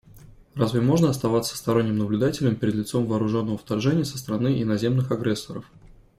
Разве можно оставаться сторонним наблюдателем перед лицом вооруженного вторжения со стороны иноземных агрессоров?